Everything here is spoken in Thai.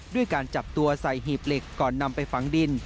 ด้วยการจับตัวใส่หีบเหล็กก่อนนำไปฝังดิน